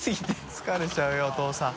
疲れちゃうよお父さん。